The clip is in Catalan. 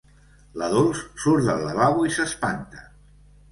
La Dols surt del lavabo i s'espanta.